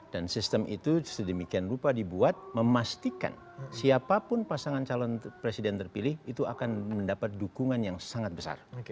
dan sistem itu sedemikian lupa dibuat memastikan siapapun pasangan calon presiden terpilih itu akan mendapat dukungan yang sangat besar